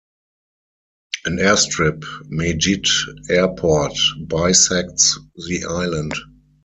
An airstrip, Mejit Airport, bisects the island.